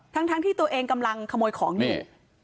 ทั้งที่ตัวเองกำลังขโมยของนี่